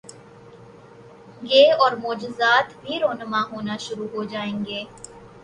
گے اور معجزات بھی رونما ہونا شرو ع ہو جائیں گے۔